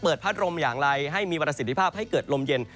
พัดลมอย่างไรให้มีประสิทธิภาพให้เกิดลมเย็น